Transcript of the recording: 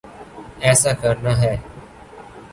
ایسا کرنا ہے۔